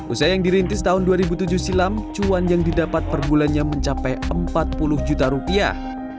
usai yang dirintis tahun dua ribu tujuh silam cuan yang didapat per bulannya mencapai empat puluh juta rupiah